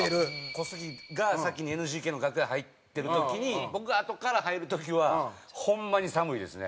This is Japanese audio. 小杉が先にＮＧＫの楽屋入ってる時に僕があとから入る時はホンマに寒いですね。